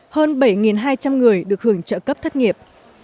hơn bảy hai trăm linh người được hưởng trợ cấp thất nghiệp